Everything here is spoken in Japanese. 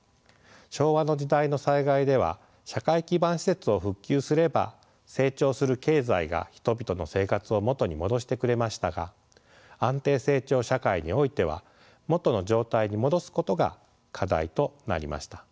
昭和の時代の災害では社会基盤施設を復旧すれば成長する経済が人々の生活を元に戻してくれましたが安定成長社会においては元の状態に戻すことが課題となりました。